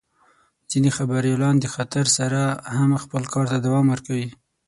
ځینې خبریالان د خطر سره هم خپل کار ته دوام ورکوي.